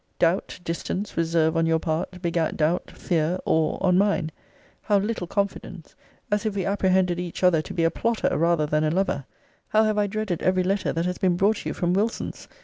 Doubt, distance, reserve, on your part, begat doubt, fear, awe, on mine. How little confidence! as if we apprehended each other to be a plotter rather than a lover. How have I dreaded every letter that has been brought you from Wilson's!